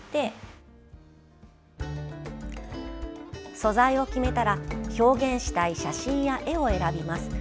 素材を決めたら表現したい写真や絵を選びます。